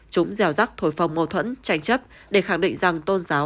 chúng dèo rắc thổi phong mâu thuẫn tranh chấp để khẳng định rằng tôn giáo